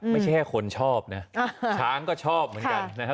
ไม่ใช่แค่คนชอบนะช้างก็ชอบเหมือนกันนะครับ